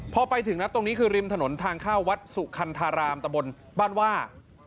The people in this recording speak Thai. พอไปถึงนะตรงนี้คือริมถนนทางเข้าวัดสุคันธารามตะบนบ้านว่า